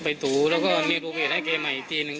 ไปถูแล้วก็มีรูปเหตุให้แกใหม่ทีนึง